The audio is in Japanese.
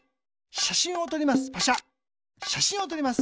しゃしんをとります。